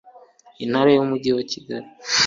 gushaka abazimiye no kubakiza